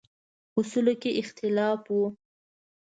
اصولو کې اختلاف و.